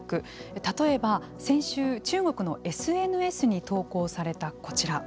例えば、先週中国のＳＮＳに投稿されたこちら。